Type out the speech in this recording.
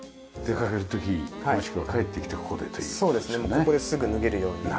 ここですぐ脱げるように。